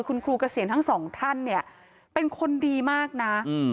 คุณครูเกษียณทั้งสองท่านเนี่ยเป็นคนดีมากนะ